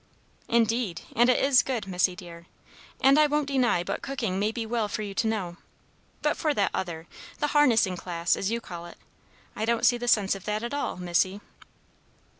"Indeed, and it is good, Missy, dear; and I won't deny but cooking may be well for you to know; but for that other the harnessing class, as you call it, I don't see the sense of that at all, Missy."